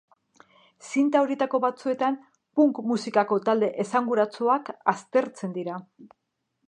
Zinta horietako batzuetan punk musikako talde esanguratsuak aztertzen dira.